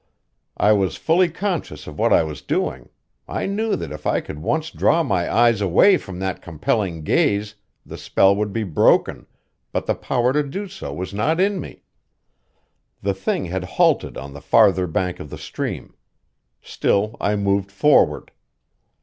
I was fully conscious of what I was doing. I knew that if I could once draw my eyes away from that compelling gaze the spell would be broken, but the power to do so was not in me. The thing had halted on the farther bank of the stream. Still I moved forward.